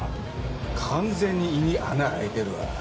完全に胃に穴開いてるわ。